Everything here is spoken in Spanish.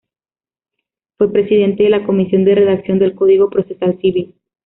Fue Presidente de la Comisión de redacción del Código Procesal Civil.